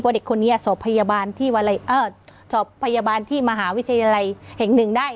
เพราะเด็กคนนี้อ่ะสอบพยาบาลที่วันอะไรเอ่อสอบพยาบาลที่มหาวิทยาลัยเห็นหนึ่งได้